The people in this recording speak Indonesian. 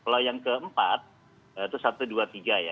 kalau yang keempat itu satu dua tiga ya